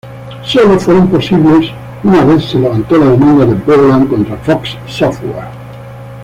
Solo fueron posibles una vez se levantó la demanda de Borland contra Fox Software.